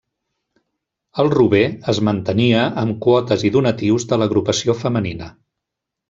El rober es mantenia amb quotes i donatius de l’Agrupació Femenina.